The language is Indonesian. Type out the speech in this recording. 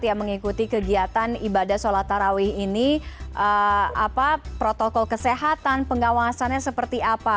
yang mengikuti kegiatan ibadah sholat tarawih ini protokol kesehatan pengawasannya seperti apa